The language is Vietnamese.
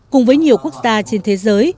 cùng với nhiều quốc gia trên thế giới